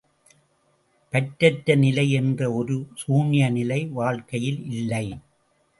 பற்றற்ற நிலை என்ற ஒரு சூன்ய நிலை வாழ்க்கையில் இல்லை.